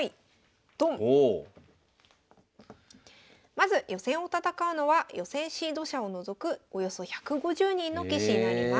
まず予選を戦うのは予選シード者を除くおよそ１５０人の棋士になります。